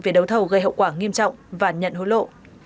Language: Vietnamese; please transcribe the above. về đấu thầu gây hậu quả nghiêm trọng và nhận hối lộ